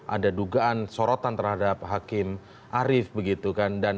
ada dugaan sorotan terhadap hakim arief begitu kan